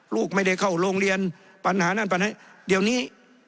ลูกไม่ได้เข้าโรงเรียนปัญหานั่นปัญหาเดี๋ยวนี้